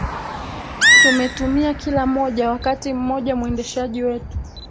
tumetumia kila moja Wakati mmoja mwendeshaji wetu